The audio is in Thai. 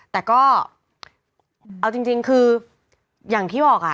แต่ก็เอาจริงคืออย่างที่บอกอ่ะ